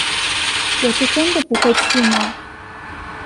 我就真的不会去吗